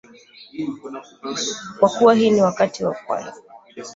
Kwa kuwa hii ni wakati wa kwanza.